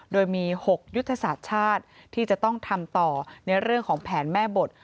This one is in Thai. โดยมี๖ยุทธศาสตร์ชาติที่จะต้องทำต่อในเรื่องของแผนแม่บท